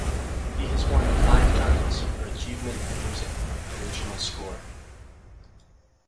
He has won five times for Achievement in Music - Original Score.